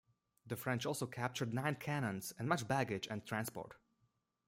The French also captured nine cannons and much baggage and transport.